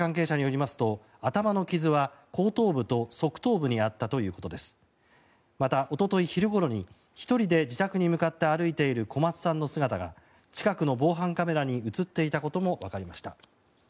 また、おととい昼ごろに１人で自宅に向かって歩いている小松さんの姿が近くの防犯カメラに映っていたこともわかりました。